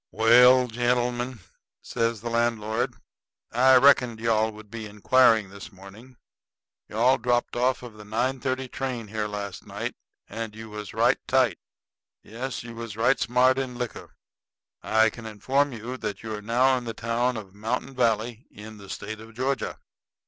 "Well, gentlemen," says the landlord, "I reckoned you all would be inquiring this morning. You all dropped off of the nine thirty train here last night; and you was right tight. Yes, you was right smart in liquor. I can inform you that you are now in the town of Mountain Valley, in the State of Georgia."